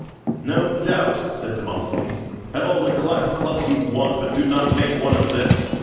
"No doubt," said Demosthenes. "Have all the class clubs you want, but do not make one of this.